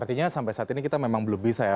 artinya sampai saat ini kita memang belum bisa ya